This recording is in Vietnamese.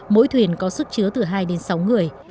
mỗi thuyền có sức chứa từ hai đến sáu người